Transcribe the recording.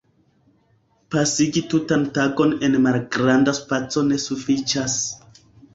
Pasigi tutan tagon en malgranda spaco ne sufiĉas.